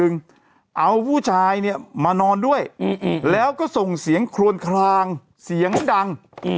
เอาผู้ชายเนี่ยมานอนด้วยแล้วก็ส่งเสียงคลวนคลางเสียงดัง